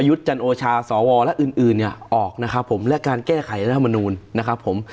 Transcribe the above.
ดิจรจันโอชาสโว่และอื่นออกนะครับผมการแก้ไขและอ้าวมนูลนะครับผม